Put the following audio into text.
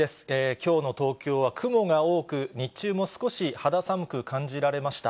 きょうの東京は雲が多く、日中も少し肌寒く感じられました。